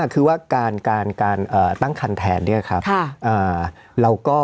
คือว่าการตั้งคันแทนเนี่ยครับ